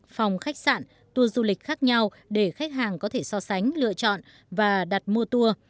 phòng khách sạn tour du lịch khác nhau để khách hàng có thể so sánh lựa chọn và đặt mua tour